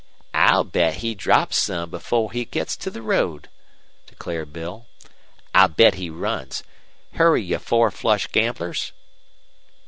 "I'll bet he drops some before he gits to the road," declared Bill. "I'll bet he runs. Hurry, you four flush gamblers."